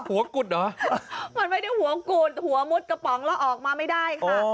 กุดเหรอมันไม่ได้หัวกุดหัวมุดกระป๋องแล้วออกมาไม่ได้ค่ะ